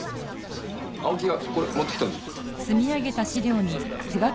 青木がこれ持ってきたぞ。